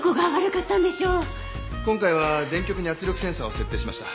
今回は電極に圧力センサーを設定しました。